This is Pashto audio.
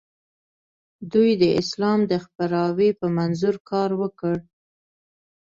دوی د اسلام د خپراوي په منظور کار وکړ.